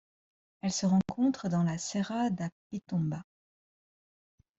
Elle se rencontre dans la Serra da Pitomba.